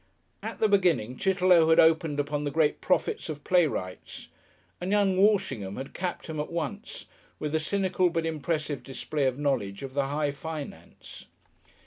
At the beginning Chitterlow had opened upon the great profits of playwrights and young Walshingham had capped him at once with a cynical, but impressive, display of knowledge of the High Finance.